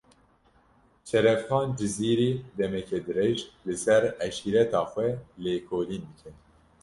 Şerefxan Cizîrî, demeke dirêj, li ser eşîreta xwe lêkolîn dike